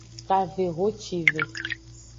Kavehocive.